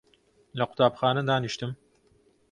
لە قوتابخانە دانیشتم